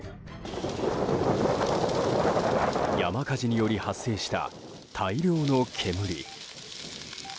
山火事により発生した大量の煙。